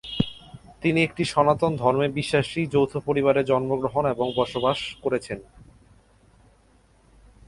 তিনি একটি সনাতন ধর্মে বিশ্বাসী যৌথ পরিবারে জন্মগ্রহণ এবং বসবাস করেছেন।